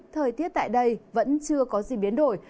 thời tiết tại đây vẫn chưa có gì biến đổi